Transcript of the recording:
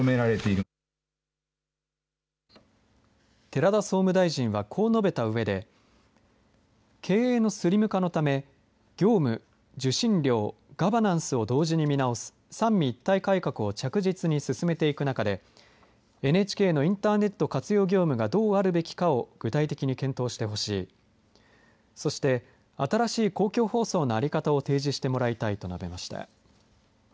寺田総務大臣はこう述べたうえで経営のスリム化のため業務・受信料、ガバナンスを同時に見直す三位一体改革を着実に進めていく中でＮＨＫのインターネット活用業務がどうあるべきかを具体的に検討してほしいそして、新しい公共放送の在り方を提示してもらいたいと述べました。